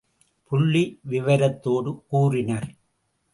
புள்ளி விவரத்தோடு கூறினர்.